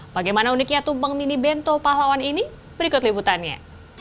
bagaimana uniknya tumpeng mini bento pahlawan ini berikut liputannya